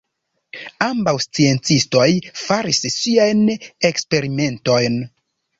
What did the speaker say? Ambaŭ sciencistoj faris siajn eksperimentojn.